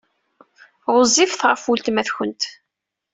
Ɣezzifet ɣef weltma-twent.